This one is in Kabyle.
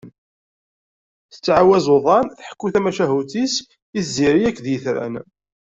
Tettɛawaz uḍan tḥekku tamacahut-is i tziri akked yitran.